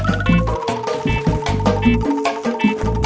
aku empatkan pensiap saya